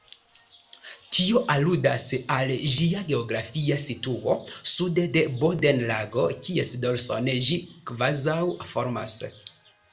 Tio aludas al ĝia geografia situo sude de Bodenlago, kies dorson ĝi kvazaŭ formas.